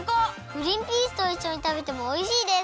グリンピースといっしょにたべてもおいしいです！